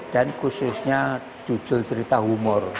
dan khususnya judul cerita humor